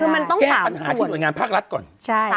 มันต้อง๓ส่วนใช่